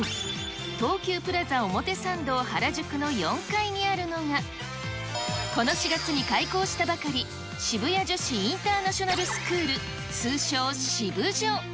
東急プラザ表参道原宿の４階にあるのが、この４月に開校したばかり、渋谷女子インターナショナルスクール、通称シブジョ。